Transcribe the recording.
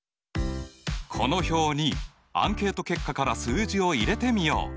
この表にアンケート結果から数字を入れてみよう。